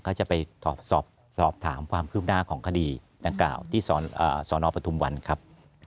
เขาจะไปสอบถามความพื้นหน้าของคดีหนังกล่าวที่สอนอภัทรุมวันครับ